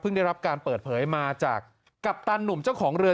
ได้รับการเปิดเผยมาจากกัปตันหนุ่มเจ้าของเรือ